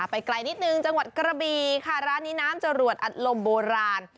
ไปไกลนิดนึงจังหวัดกระบีค่ะร้านนี้น้ำจรวดอัดลมโบราณ